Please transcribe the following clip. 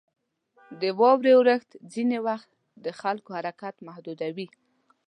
• د واورې اورښت ځینې وخت د خلکو حرکت محدودوي.